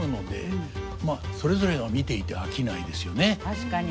確かに。